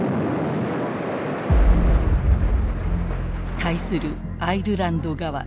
対するアイルランド側。